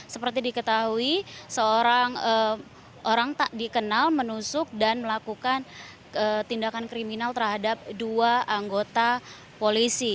seperti diketahui orang tak dikenal menusuk dan melakukan tindakan kriminal terhadap dua anggota polisi